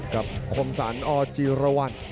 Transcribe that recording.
กล้องสร้างอจรวรรณ